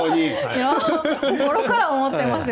心から思っていますよ。